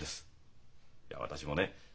いや私もね